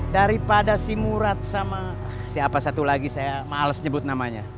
daripada si murat sama siapa satu lagi saya males nyebut namanya